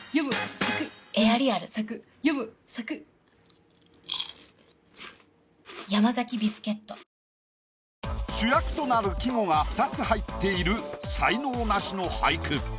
ポリグリップ主役となる季語が２つ入っている才能ナシの俳句。